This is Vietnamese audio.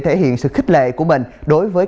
thật sự là rất là kỳ vĩ